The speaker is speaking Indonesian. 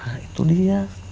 nah itu dia